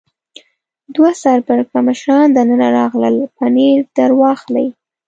دوه سر پړکمشران دننه راغلل، پنیر در واخلئ.